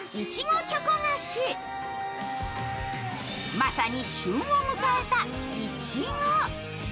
まさに旬を迎えたいちご。